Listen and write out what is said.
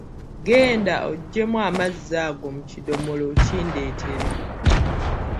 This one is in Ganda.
Genda oggyemu amazzi ago agali mu kidomola okindeetere.